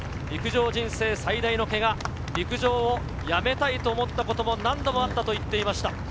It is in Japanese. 陸上人生最大のけが、陸上をやめたいと思ったことも、何度もあったと言っていました。